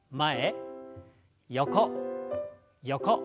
横横。